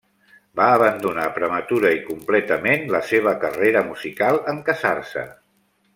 Va abandonar prematura, i completament la seva carrera musical en casar-se.